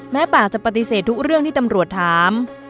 ป่าจะปฏิเสธทุกเรื่องที่ตำรวจถาม